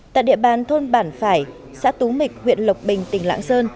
tại địa bàn thôn bản phải xã tú mịch huyện lộc bình tỉnh lạng sơn